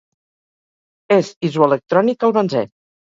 És isoelectrònic al benzè.